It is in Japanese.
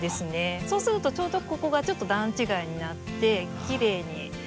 そうするとちょうどここがちょっと段違いになってきれいに見えたりとか。